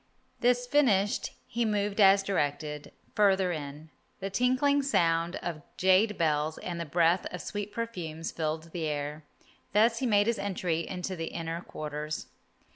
This finished he moved as directed, further in. The tinkling sound of jade bells and the breath of sweet perfumes filled the air. Thus he made his entry into the inner quarters.